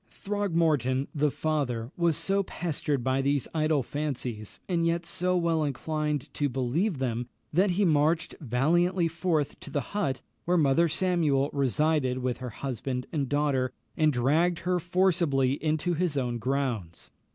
Throgmorton, the father, was so pestered by these idle fancies, and yet so well inclined to believe them, that he marched valiantly forth to the hut where Mother Samuel resided with her husband and daughter, and dragged her forcibly into his own grounds.